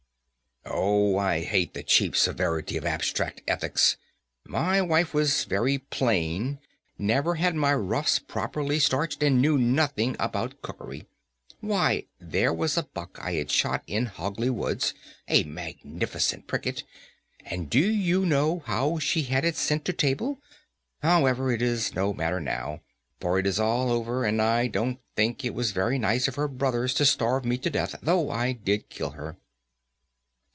"Oh, I hate the cheap severity of abstract ethics! My wife was very plain, never had my ruffs properly starched, and knew nothing about cookery. Why, there was a buck I had shot in Hogley Woods, a magnificent pricket, and do you know how she had it sent to table? However, it is no matter now, for it is all over, and I don't think it was very nice of her brothers to starve me to death, though I did kill her."